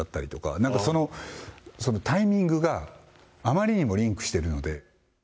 なんか、そのタイミングがあまりにもリンクしてるので。